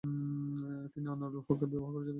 তিনি আনোয়ারুল হককে বিবাহ করেছিলেন।